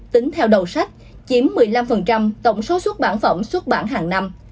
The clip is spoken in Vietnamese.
tính theo đầu sách chiếm một mươi năm tổng số xuất bản phẩm xuất bản hàng năm